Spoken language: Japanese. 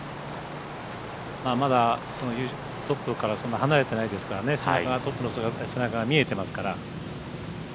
まだトップからそんなに離れてないですからトップの背中が見えてますから。